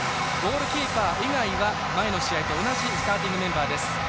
ゴールキーパー以外は前の試合と同じスターティングメンバーです。